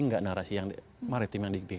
tidak narasi yang maritim yang dipikirkan